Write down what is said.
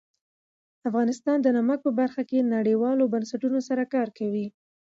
افغانستان د نمک په برخه کې نړیوالو بنسټونو سره کار کوي.